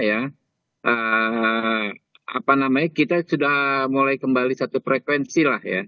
apa namanya kita sudah mulai kembali satu frekuensi lah ya